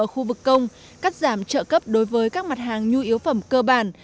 ở khu vực công cắt giảm trợ cấp đối với các mặt hàng nhu yếu phẩm cơ bản